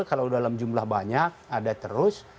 kalau dalam jumlah banyak ada terus